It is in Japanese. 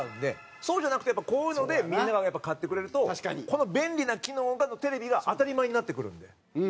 そうじゃなくて、こういうのでみんなが買ってくれるとこの便利な機能のテレビが当たり前になってくるんで。